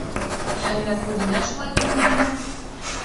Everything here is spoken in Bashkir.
Әллә күҙенә шулай күрендеме?